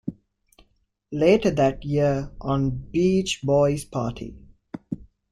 Later that year on Beach Boys' Party!